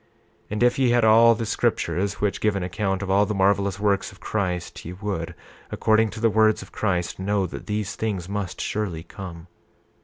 28:33 And if ye had all the scriptures which give an account of all the marvelous works of Christ, ye would, according to the words of Christ, know that these things must surely come.